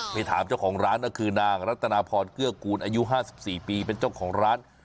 ไปถามเจ้าของร้านก็คือนางรัตนาพรเกื้อกูลอายุ๕๔ปีเป็นเจ้าของร้าน